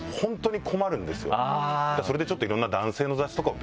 それでちょっといろんな。